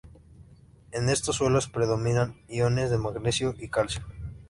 En estos suelos predominan iones de magnesio y calcio.